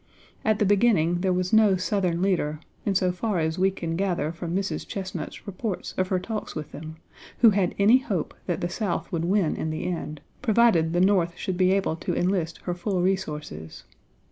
At the beginning there was no Southern leader, in so far as we can gather Page xiv from Mrs. Chesnut's reports of her talks with them, who had any hope that the South would win in the end, provided the North should be able to enlist her full resources.